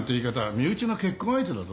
身内の結婚相手だぞ。